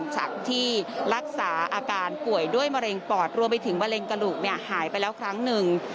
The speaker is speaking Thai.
จากที่รักษาอาการป่วยด้วยมะเร็งปอดรวมไปถึงมะเร็งกระดูกหายไปแล้วครั้งหนึ่ง